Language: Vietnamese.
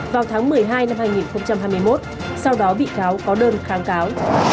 vào tháng một mươi hai năm hai nghìn hai mươi một sau đó bị cáo có đơn kháng cáo